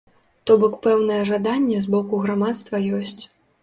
То бок пэўнае жаданне з боку грамадства ёсць.